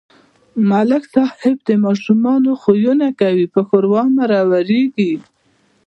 ملک صاحب د ماشومانو خویونه کوي په ښوراو مرورېږي.